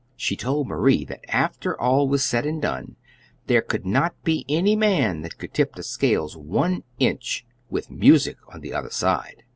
She told Marie that after all was said and done, there could not be any man that would tip the scales one inch with music on the other side.